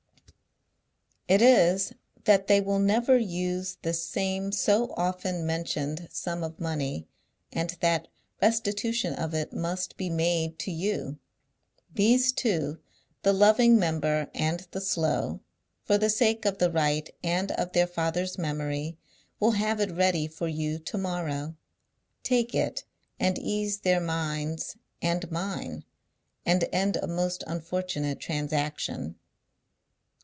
It is, that they will never use this same so often mentioned sum of money, and that restitution of it must be made to you. These two, the loving member and the slow, for the sake of the right and of their father's memory, will have it ready for you to morrow. Take it, and ease their minds and mine, and end a most unfortunate transaction."